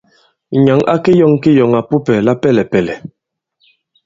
Nyǎŋ a keyɔ̂ŋ kiyɔ̀ŋàpupɛ̀ lapɛlɛ̀pɛ̀lɛ̀.